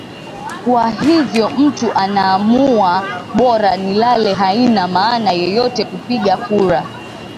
kwa hivyo mtu anaamua bora nilale haina maana yeyote kupiga kura